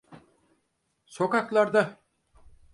Sokaklarda!